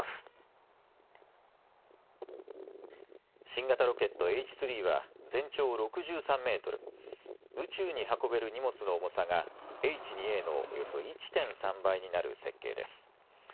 新型ロケット、Ｈ３は全長６３メートル、宇宙に運べる荷物の重さがＨ２Ａのおよそ１．３倍になる設計です。